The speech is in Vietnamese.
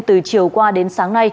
từ chiều qua đến sáng